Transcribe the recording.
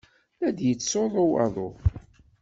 La d-yettsuḍu waḍu.